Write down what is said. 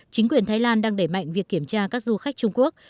chính quyền thái lan đang đẩy mạnh việc kiểm tra các du khách trung quốc